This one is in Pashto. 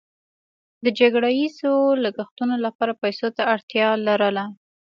د جګړه ییزو لګښتونو لپاره پیسو ته اړتیا لرله.